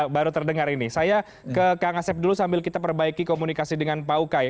baru terdengar ini saya ke kang asep dulu sambil kita perbaiki komunikasi dengan pak ukay